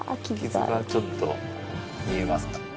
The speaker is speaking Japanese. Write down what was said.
傷がちょっと見えますかね。